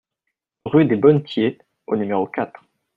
Rue des Bonnetiers au numéro quatre